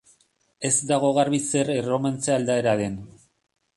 Ez dago garbi zer erromantze aldaera den.